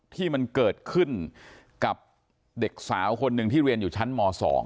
ที่มันเกิดขึ้นกับเด็กสาวคนหนึ่งที่เรียนอยู่ชั้นม๒